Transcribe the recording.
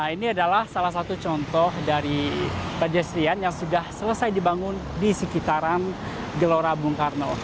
ini adalah salah satu contoh dari pedestrian yang sudah selesai dibangun di sekitaran gelora bung karno